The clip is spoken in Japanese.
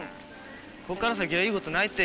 こっから先はいいことないって。